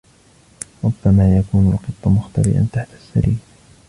ربما يكون القط مختبئا تحت السرير.